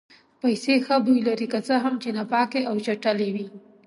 پیسې ښه بوی لري که څه هم چې ناپاکې او چټلې وي.